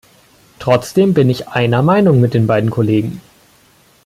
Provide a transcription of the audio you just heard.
Trotzdem bin ich einer Meinung mit den beiden Kollegen.